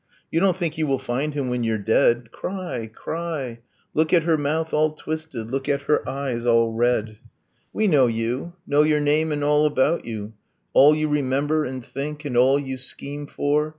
You don't think you will find him when you're dead? Cry! Cry! Look at her mouth all twisted, Look at her eyes all red! We know you know your name and all about you, All you remember and think, and all you scheme for.